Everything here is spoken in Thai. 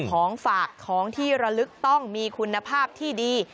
ของฝากของที่ระลึกต้องมีคุณภาพที่ดี